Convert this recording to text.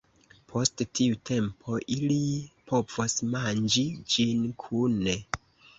Post tiu tempo, ili povos manĝi ĝin kune.